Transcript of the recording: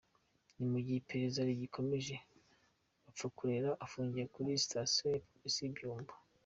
Mu gihe iperereza rigikomeje, Bapfakurera afungiye kuri sitasiyo ya Polisi ya Byumba.